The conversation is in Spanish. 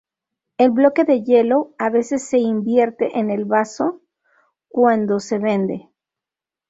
El bloque de hielo a veces se invierte en el vaso cuando se vende.